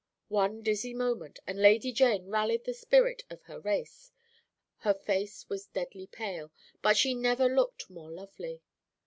"One dizzy moment, and Lady Jane rallied the spirit of her race. Her face was deadly pale, but she never looked more lovely.